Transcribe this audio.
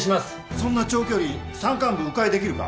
そんな長距離山間部迂回できるか？